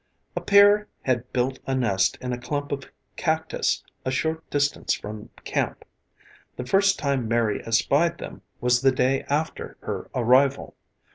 A pair had built a nest in a clump of cactus a short distance from camp. The first time Mary espied them was the day after her arrival.